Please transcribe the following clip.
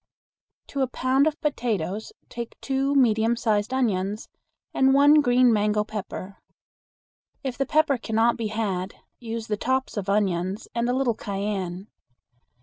To a pound of potatoes take two medium sized onions and one green mango pepper. If the pepper cannot be had, use the tops of onions and a little cayenne.